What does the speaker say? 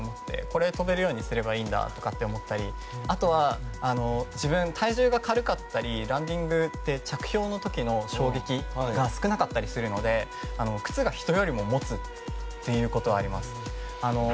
これ、跳べるようにすればいいんだと思ったりあとは自分、体重が軽かったり着氷の時の衝撃が少なかったりするので靴が人よりももつということはあります。